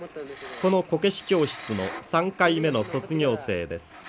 このこけし教室の３回目の卒業生です。